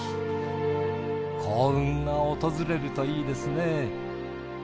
幸運が訪れるといいですね。